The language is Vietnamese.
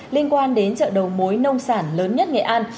liên quan đến chợ đầu mối nông sản lớn nhất nghệ an